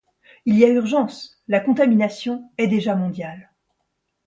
Il y a urgence, la contamination est déjà mondiale…